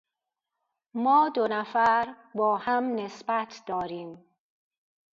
ما دو نفر با هم نسبت داریم.